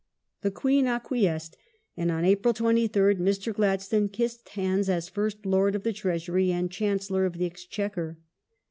The Queen acquiesced, and on April 23rd Mr. Gladstone kissed hands as First Lord of the Treasury and Chancellor of the Exchequer.